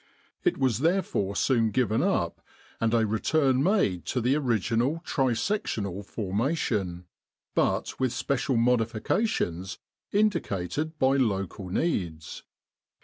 It was therefore soon given up, and a return made to the original tri sectional formation, but with special modifications indicated by local needs.